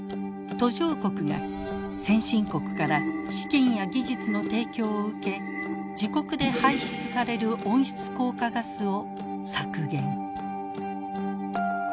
途上国が先進国から資金や技術の提供を受け自国で排出される温室効果ガスを削減。